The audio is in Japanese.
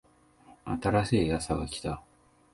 新しいあさが来た